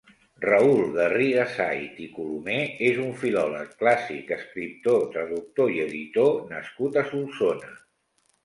Raül Garrigasait i Colomés és un filòleg clàssic, escriptor, traductor i editor nascut a Solsona.